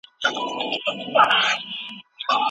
د دروني ځواک له لاري ژوند وکړئ.